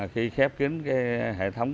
khi khép kín cái hệ thống